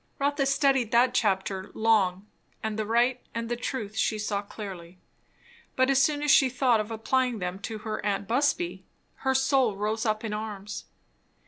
Rotha studied that chapter long. The right and the truth she saw clearly; but as soon as she thought of applying them to her aunt Busby, her soul rose up in arms.